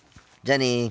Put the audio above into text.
じゃあね。